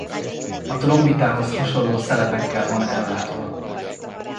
A trombitához hasonló szelepekkel van ellátva.